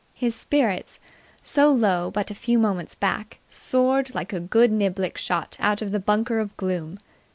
His spirits, so low but a few moments back, soared like a good niblick shot out of the bunker of Gloom.